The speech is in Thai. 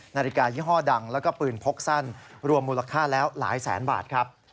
นาฬิกายี่ห้อดังแล้วก็ปืนพกสั้นรวมมูลค่าแล้วหลายแสนบาทครับ